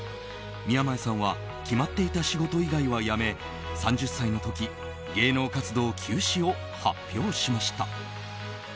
宮前さんは決まっていた仕事以外は辞め３０歳の時、芸能活動休止を発表しました。